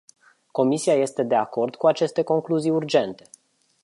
Comisia este de acord cu aceste concluzii urgente?